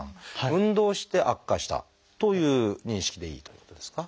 運動して悪化したという認識でいいということですか？